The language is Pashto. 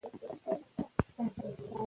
که ټولنه مینه او احترام وپلوي، ستونزې کمې شي.